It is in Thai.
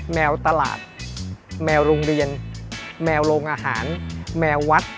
แมวตลาดแมวโรงเรียนแมวโรงอาหารแมววัด